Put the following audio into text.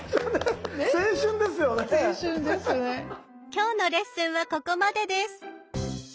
今日のレッスンはここまでです。